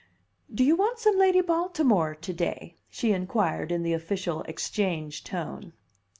"Do you want some Lady Baltimore to day?" she inquired in the official Exchange tone.